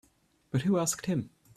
But who asked him?